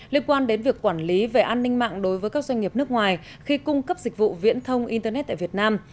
liên quan đến việc quản lý về an ninh mạng đối với các doanh nghiệp nước ngoài khi cung cấp dịch vụ viễn thông internet tại việt nam